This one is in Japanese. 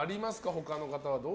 他の方は。